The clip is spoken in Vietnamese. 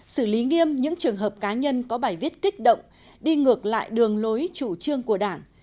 xử lý nghiêm những trường hợp cá nhân có bài viết kích động đi ngược lại đường lối chủ trương của đảng